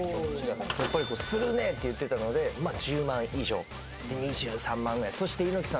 やっぱり「するねぇ！」って言ってたので１０万以上で２３万ぐらい